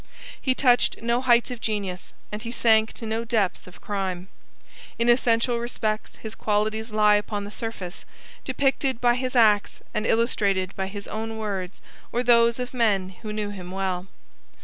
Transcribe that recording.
He touched no heights of genius and he sank to no depths of crime. In essential respects his qualities lie upon the surface, depicted by his acts and illustrated by his own words or those of men who knew him well.